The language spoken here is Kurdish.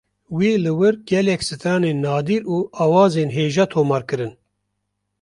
Wî li wir gelek stranên nadir û awazên hêja tomar kirin.